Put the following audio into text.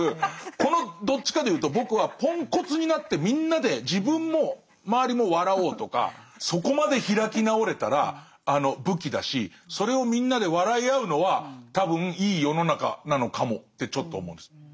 このどっちかでいうと僕はポンコツになってみんなで自分も周りも笑おうとかそこまで開き直れたら武器だしそれをみんなで笑い合うのは多分いい世の中なのかもってちょっと思うんです。